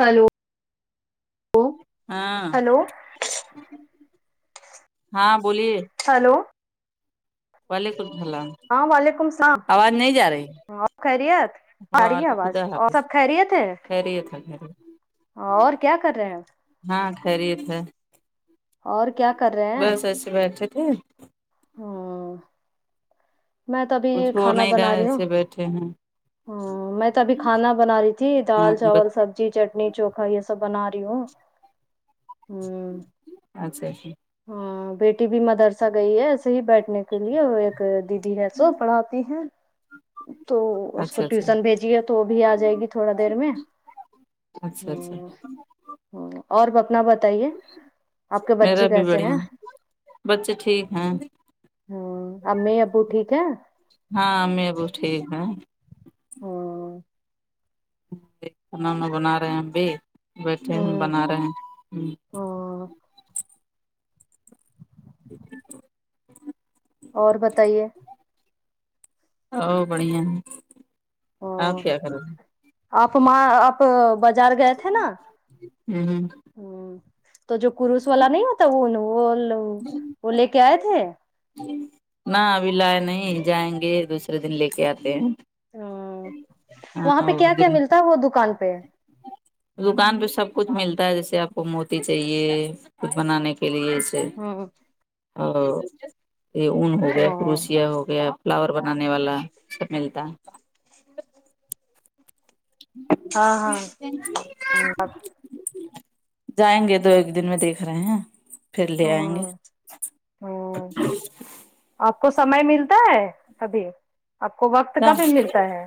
Hello ہاں hello ہاں بولیے ہیلو وعلیکم السلام ہاں وعلیکم السلام آواز نہیں جا رہی آپ خیریت ا رہی ہے وعلیکم اواز خدا اور حافظ سب خیریت ہے خیریت ہے خیریت اور کیا کر رہے ہیں ہاں خریت ہے اور کیا کر رہے بس ایسے بیٹھے تھے ہمم کچو ہو کھانا نہیں گیا بنا رہی ایسے بیٹھے ہیں ہوں میں تو ابھی کھانا بنا رہی تھی ہاں دال چاول بس سبز حی چٹنی چوکھا یے سب بنا رہی ہوں ہمم اچھا اچھا ہاں بیٹی بھی مدرسہ گئی ہے بیٹھ نے کے لیے ایک دیدی ہے سو پڑھاتی ہیں تو اس کو اچھا اچھا ٹیوسن بھیجیی ہے تو وہ بھی ا جائے گی تھوڑا دیر میں اچھا اچھا ہمم اور اپنا بتائیے اپ کے میرا بچے بھی کیسے ہے بڑھیا بچے ٹھیک ہیں ہمم امی ابو ٹھیک ہیں ہاں امی ابو ٹھیک ہیں ہمم کھانا وانا بنا رہے ہیں ہم بھی بیٹھے ہم بنا رہے ہیں ہا اور بتائیے ا بڑیا آپ ہ کیا کر آپ ما آپ باجار گئے تھے نا ہیں ہوں ہ تو جو کرروس والا نہیں ہوتا وہ وہ وہ لے کے آئے تھے جی نہ ابھی لائے نہیں جائیں گے دوسرے دن لے کے آتے ہیں ہاں وہاں پہ ہاں کیا کیا ملتا وہ دکان پہ دکان پہ سب کچھ ملتا ہے جیسے آپ کو موتی چاہیے کچھ بنانے کے لیے ہ اور یہ اون ہو گیا ہاں کروسیا ہو گیا فلاور بنانے والا سب ملتا ہاں تے [inaudible] جائیں گے دو ایک دن میں دیکھ رہے ہیں پھر لے آئیں گے ہوں آپ کو سمئے ملتا ہے ابھی آپ کو وقت کبھی ملتا ہے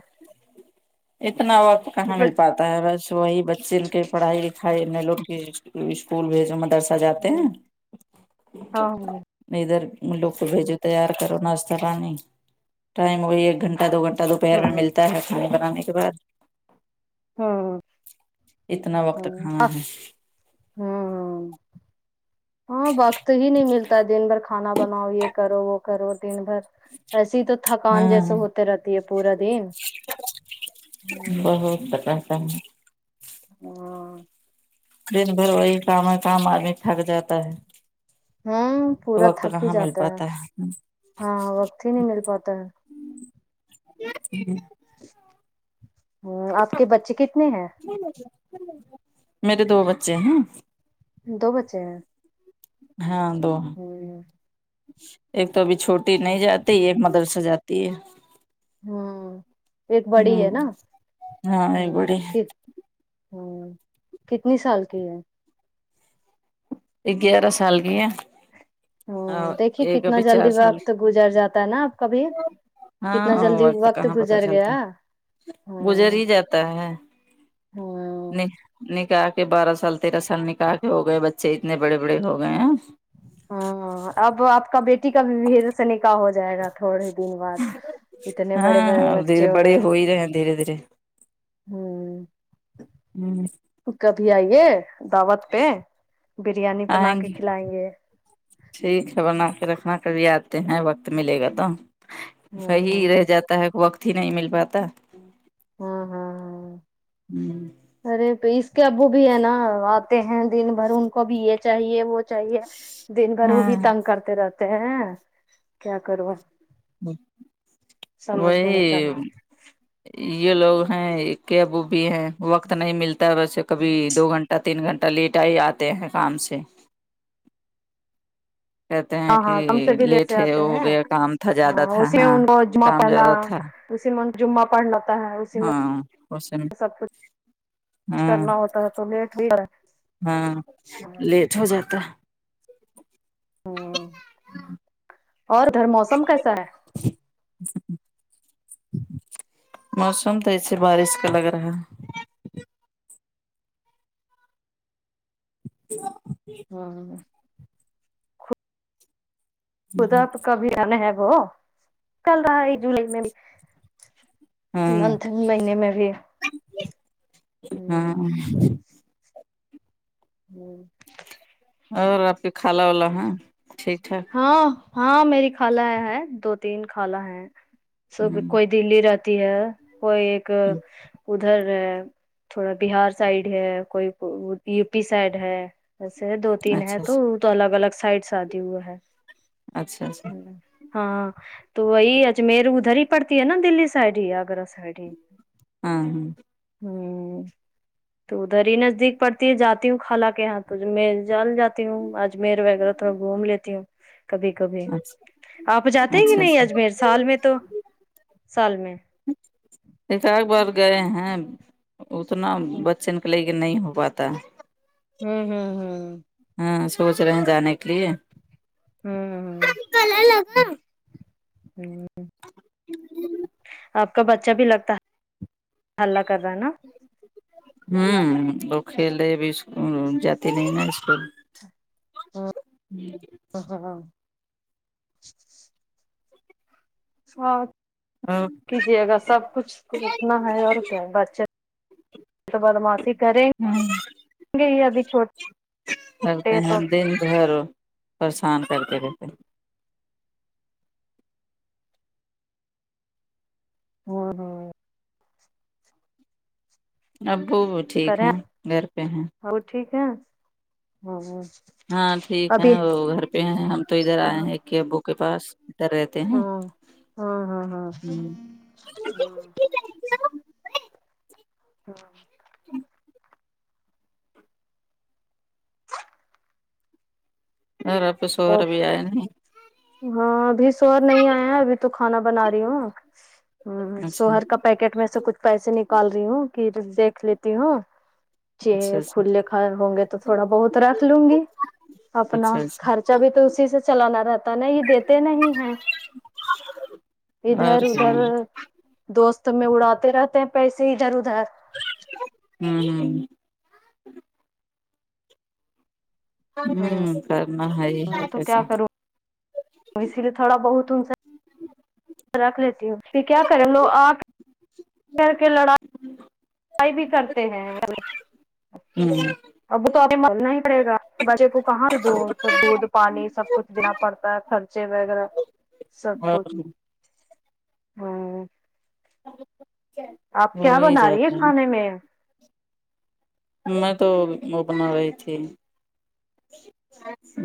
اتنا وقت کہاں مل مطلب پاتا بس وہی بچے کے پڑھائی لکھائی میں لوگ اسکول بھیجو مدر سا جاتے ہیں ہاں میں ادھر لوگ کو بھیجو تیار کرو ناشتا پانی ٹائم وہی ایک گھنٹہ دو گھنٹہ دوپہر ہاں میں ملتا ہے کھانا بنانے کے بعد [unintelligible] ہوں اتنا وقت کہاں ہے ہوں ہاں وقت ہی نہیں ملتا دن بھر کھانا بناؤ یہ کرو وہ کرو دن بھر ایسیے تو تھکان جیسے ہاں ہوتے رہتی ہے پورا دن [unintelligible] ہاں دن بھر وہی کام ہے کام آدمی تھک جاتا ہے ہوں پورا وقت تھک ہی کہاں مل جاتا پاتا ہے ہاں وقت ہی نہیں مل پاتا ہے ہمم آپ کے بچے کتنے ہیں میرے دو بچے ہے دو بچے ہیں ہاں دو ہ ایک تو ابھی چھوٹی ہوں نہیں جاتی ایک مدرس جاتی تی ہے ہوں ایک بڑی ہ ہے نا ہاں ایک بڑی ہمم کھر ہوں کتنی سال کی ہے ایک گیارہ سال گیا ہاں دیکھیے کتنا چار جلدی سال کی وقت گزر جاتا ہے نا آپ کا بھی کتنا ہاں جلدی وقت کہاں پتا گزر چلتا گیا گزر ہوں ہی جاتا ہے ہاں کہا کے بارہ سال تیرہ سال نکاح کے ہو گئے بچے اتنے بڑے بڑے ہو گئے ہیں ہاں اب آپ کا بیٹی کا بھی پھر سے نکاح ہو جائے گا تھوڑے دن بعد اتنے بڑے بڑے بچے ہو گئے ہیں دیاں دھیرے دھیرے ہوں ہوں کبھی آئیے دعوت پہ بریانی بنا آئیں کے گے کھلائیں گے ٹھیک ہے بنا کے رکھنا کبھی آتے ہیں وقت ملے گا تو ہ وہی ہاں رہ جاتا تانے وقت ہی نہیں مل پاتا ہے ہاں ہاں ہاں ہوں ارے پ اس کے ابو بھی ہے نا آتے ہیں دن بھر ان کو بھی یہ چاہیے وہ چاہیے دن بھر وہ بھی ہاں تنگ کرتے رہتے ہیں کیا کرو سمجھ میں وہی نہیں چلا یہ لوگ ہیں کہ ابو بھی ہیں وقت نہیں ملتا ویسے کبھی دو گھنٹہ تین گھنٹہ لیٹ آ ہی آتے ہیں کام سے کہتے ہیں ہاں کہ ہاں کم سے بھی لے سے لیٹ ہے آتے ہو ہیں گیا کام تھا زیادہ ہاں تھا اسے ہاں ان کو جمہ کام پڑھنا زیادہ تھا اصمہ جمہ پڑہنا ہاں اسمہ کچھ ہاں کرنا ہوتا ہے تو لیٹ ہو ہاں لیٹ ہو جاتا ہوں۔ اور ادھر موسم کیسا ہے موسم تو ایسے بارش کا لگ رہا ہے ہاں ہے خدا تو کبھی انا ہے وہ کل رہا ہے جولائی میں بھی ہاں متن مہینے میں بھی ہوں ہوں اور آپ کے کھالا والا ہے ٹھیکٹھاک ہاں ہاں میری کھالا ہے دو تین کھالا ہے سب کوئی ہ دلی رہتی ہے کوئی ایک ادھر تھوڑا بہار سائڈ ہے کوئی یو پی سائڈ ہے ویسے دو تین ہے اچھا تو اچھا تو الگ الگ سائڈ شادی ہوا ہے اچھا اچھا ہاں تو وہی اجمیر ادھر ہی پڑتی ہے نا دلی سائڈ ہی اگر س ہاں ہاں ہوں تو ادھر ہی نزدیک پڑتی ہے جاتی ہوں کھالا کے یہاں تو میں جال جاتی ہوں اجمیر وغیرہ تو گھوم لیتی ہوں کبھی کبھی اچھا آپ جاتے ہیں کہ اچھا نہیں اچھا اجمیر سال میں تو سال میں ایک ادھ بار گئے ہیں اتنا ہ بچن کے لے کے نہیں ہو پاتا ہے ہوں ہوں ہوں ہاں سوچ رہے ہیں جانے کے لیے ہوں ہ ہوں آپ کا بچہ بھی لگتا ہے ہلہ کر رہا ہے نا ہوں وہ کھیل لیری ابی اسکو جاتی نہیں نا اسکول ہوں ہاں ہاں ہاں ہاں ہاں کیجیے گا سب کچھ تو اتنا ہے اور کیا ہے بچے تو بدماشی کریں ہ گے ہی ابھی چھوٹے کرتے تو ہیں دن بھر پریشان کر کے رہتےے ہاں ہاں ابو وہ ٹھیک ہے گھر پہ ہیں ہ ٹھیک ہے ہاں ہاں ٹھیک ہے ابھی وہ گھر پہ ہیں ہم تو ادھر ہاں آئے ہاں ہیں کے ابو کے پاس تر رہتے ہیں ہاں ہاں ہاں ہاں ہمم ہاں اگر آپ کے شوہر بھی ائے نہیں ہاں ابھی سور نہیں ایا ابھی تو کھانا بنا رہی ہوں ہمم اچھا سوہر کا پیکٹ میں سے کچھ پیسے نکال رہی ہوں کی دیکھ لیتی ہوں چے اچھا ہے اچھا کھلے کھا ہوں گے تو تھوڑا بہت رکھ لوں گی اپنا اچھا اچھا خرچہ بھی تو اسی سے چلانا رہتا تا نا نہیں یے دیتے نہیں ہیں اور ادھر کیا ادھر دوست میں اڑاتے رہتے ہیں پیسے ادھر ادھر ہمم ہمم ہمم کرنا ہے ہے ہمم تو کیسے کیا کروں اسی لیے تھوڑا بہت ان سے رکھ لیتی ہوں پھر کیا کریں لوگ اکے کر کے لڑا ئی بھی کرتے ہیں ہمم اب وہ تو ابھی کرنا ہی پڑے گا بچے کو کہاں سے دوں دودھ پانی سب کچھ دینا پڑتا ہے خرچے وغیرہ سب اور کچھ ہمم وہی جاتے ہیں کے میں ہے میں تو وہ مپنے گیی تھی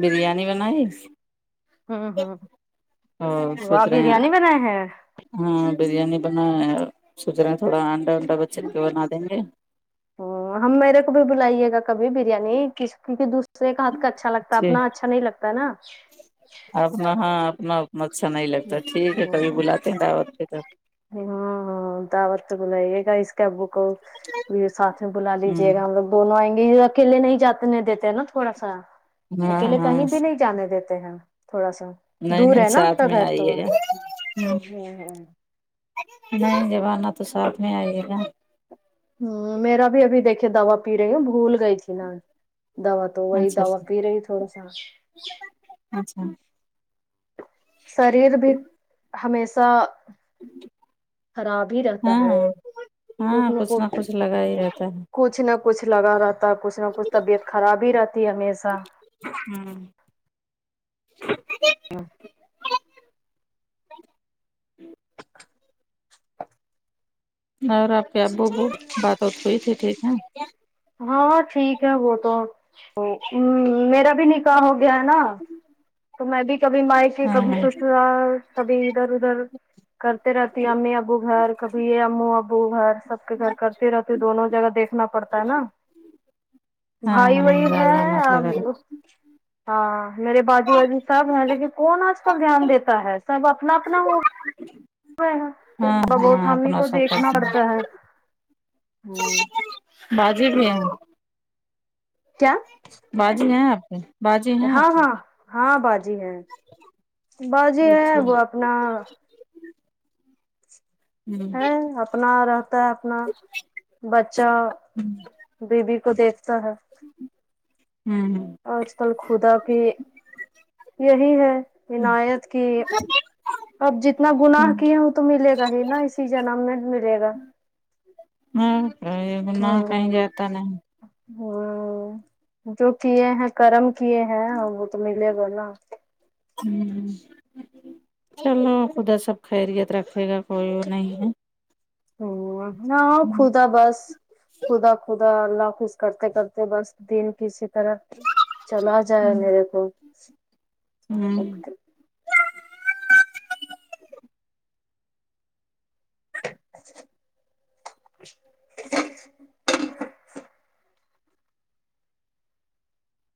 بریانی بنائی ہمم ہمم واہ بریانی بنائے ہیں ہمم بریانی بنایا ہے سوچ رہے ہیں تھوڑا انڈا ونڈا بچے کے لیے بنا دیں گے ہمم ہم میرے کو بھی بلائیے گا کبھی بریانی کسی دوسرے کا ہاتھ کا اچھا لگتا ہے جی اپنا اچھا نہیں لگتا ہے نا اپنا ہاں اپنا اچھا نہیں لگتا ٹھیک ہے کبھی بلاتے ہیں دعوت پے تو ہاں ہاں داعوات پے تو بلایے گا اس کے ابو کو ساتھ میں بلا ہمم لیجیے گا ہم لوگ دونوں ائیں گے اکیلے نہیں جاتے دیتے ہیں نا تھوڑا سا ہاں اکیلے ہاں کہیں بھی نہیں جانے دیتے ہیں تھوڑا سا نہیں دور نہیں ہے نا آپ ساتھ کا میں گھر تو ائیے گا ہ نہیں جب آنا تو ساتھ میں ائیے گا ہ میرا بھی ابھی دیکھیے دوا پی رہی ہے بھول گئی تھی پلان دوا تو وہی اچھا دوا اچھا پی رہی تھوڑا سا اچھا شریر بھی ہمیشہ خراب ہی رہتا ہاں ہے ہاں کچھ ہاں نہ کچھ لگا ہی رہتا ہے کچھ نہ کچھ لگا رہتا کچھ نہ کچھ طبیعت خراب ہی رہتی ہے ہمیشہ آمم ہاں اور اپ کے ابو ابو بات وات ہوئی تھی ٹھیک ہیں ہاں ٹھیک ہے وہ تو میرا بھی نکاح ہو گیا ہے نا تو میں بھی کبھی مائکے ہاں کبھی ہاں سسرال کبھی ادھر ادھر کرتے رہتی ہے امی ابو گھر کبھی یے امو ابو گھر سب کے گھر کر تے رہتے دونوں جگہ دیکھنا پڑتا ہے نا ہاں بھائی ہاں وائی جانا ہیں مت لگا اب ہاں میرے بازو وازو سب ہیں لیکن کون اج کل دھیان دیتا ہے سب اپنا اپنا ہو ہاں تھوڑا بہت ہاں ہمیں اپنا کو سب دیکھنا کرتے پڑتا ہے ہیں ہ باجی بھی اے کیا باجی ہیں آپ کے باجی ہیں آپ ہاں ہاں کے ہاں باجی ہے باجی ہے اچھا وہ اپنا ہوں ہے اپنا آرا ہے اپنا بچہ بی بیی کو دیکھتا ہے ہوں آج کل کھودا کی یہی ہے عنایت کی اب جتنا گناہ ہوں کیا وہ تو ملے گا ہی نا اسی جنم میں ملے گا ہاں یہی نا کہیں ہوں جاتا نہیں ہوں جو کیے ہیں کرم کیے ہیں وہ تو ملے گا نا ہوں ہ چلو خدا سب خیریت رکھے گا کوئی وہ نہیں ہے ہ ہاں ہوں خدا بس خدا خدا اللہ خز کرتے کرتے بس دن کسی طرح چل آ جائے ہوں میرے کو ہوں اے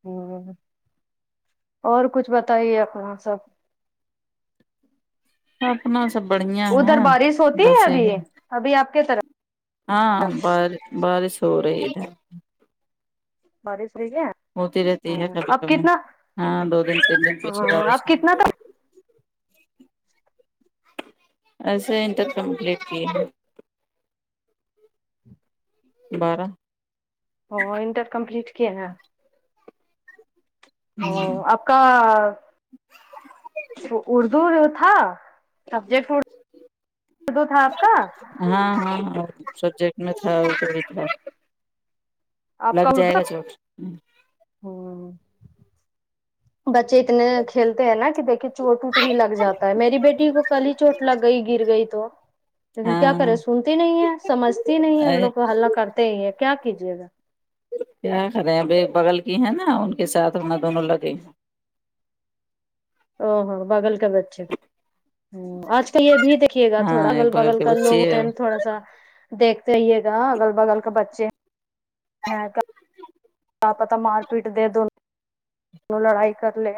ہ اور کچھ بتائیے اپنا سب اپنا سب بڑھیا ہے ادھر بارش ہوتی بس ہے ابھی یہی ابھی آپ کے طرف ہاں بار باریس ہورہی ہے بارش ہوئی ہے ہوتی رہتی ہے ہ کبھی آپ کبھی کتنا ہاں دو دن تین دن پیچھے ہ بریس آپ ہوتی کتنا ہے تک ایسے ہی انٹر کمپلیٹ کی ہے بارہ ا انٹر کمپلیٹ کیا ہے ہوں آپ کا اردو جو تھا سبجیکٹ اور اردو تھا آپ کا ہاں ہاں ہاں سبجیکٹ میں تھا ایک ٹائم ہے آپ کا لگ جائے اردو گا چوٹ ہ بچے اتنے کھیلتے ہیں نا کہ دیکے چوٹ ووٹ بھی لگ جاتا ہے میری بیٹی کو کل ہی چوٹ لگ گئی گر گئی تو لیکن کیا کریں ہاں سنتی نہیں ہے سمجھت تی نہیں ہے لوگ کو حلہ کرتے ہی ہیں کیا کیجیے گا کیا کر رہے اب ب بغل کی ہے نا ان کے ساتھ ہونا دونوں لگ گی او ہاں بغل کا بچہ ہ آج کل یہ بھی دیکھیے گا ہاں تھوڑا اگل ایک بغل بگل کے کرلو بچے ٹنٹھ تھوڑا سا دیکھتے ہیے گا اگل بگل کے بچے [unintelligible] کا پتا مار پیٹ دے دو لڑائی کر لے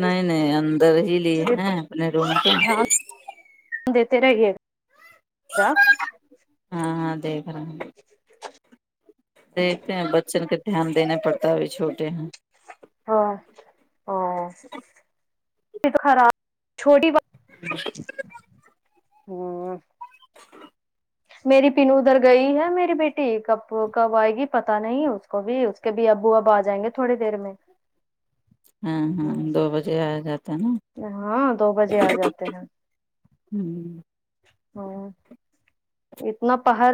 نیں نیں اندر ہی لیے ہیں اپنے روم کے دھیان دیتے رہیے کیا ہاں ہاں دیکھ رہا ہ دیکھتے ہیں بچوں کا دھیان دینا پڑتا ہے ابی چھوٹے ہیں ہاں ا خراب چھوٹی بات ہ میری پینو ادھر گئی ہے میری بیٹی کب کب آئے گی پتہ نہیں اس کو بھی اسک کہبھی ابو اب ا جائیں گے تھوڑی دیر میں ہاں ہاں دو بجے جاتا ہے نا ہاں دو بجے آجاتے ہیں ہوں ہاں اتنا پہاڑ